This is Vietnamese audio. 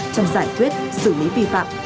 trong giải thuyết xử lý vi phạm